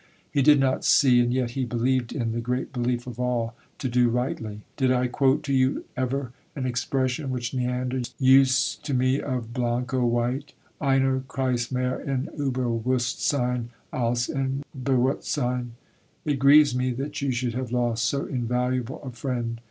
He did not see and yet he believed in the great belief of all to do rightly. Did I quote to you ever an expression which Neander used to me of Blanco White: einer Christ mehr in Unbewusstseyn als in Bewusstseyn? It grieves me that you should have lost so invaluable a friend.